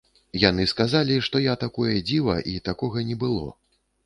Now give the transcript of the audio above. Яны сказалі, што я такое дзіва і такога не было.